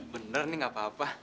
bener nih gak apa apa